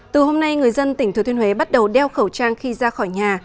từ hôm nay người dân tỉnh thừa thiên huế bắt đầu đeo khẩu trang khi ra khỏi nhà